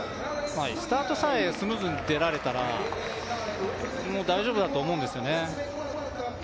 スタートさえスムーズに出られたらもう大丈夫だと思うんですよね。